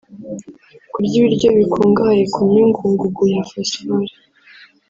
kurya ibiryo bikungahaye ku myunyungugu ya phosphore